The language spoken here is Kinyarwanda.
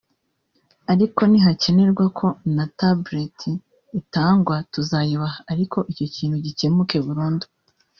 Ariko nihakenerwa ko na tablet itangwa tuzayibaha ariko icyo kintu gikemuke burundu